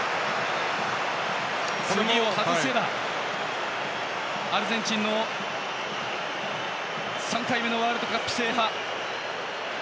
次、外せばアルゼンチンの３回目のワールドカップ制覇。